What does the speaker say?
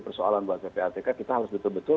persoalan buat ppatk kita harus betul betul